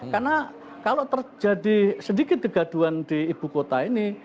karena kalau terjadi sedikit degaduan di ibu kota ini